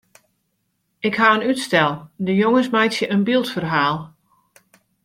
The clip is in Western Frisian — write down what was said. Ik ha in útstel: de jonges meitsje in byldferhaal.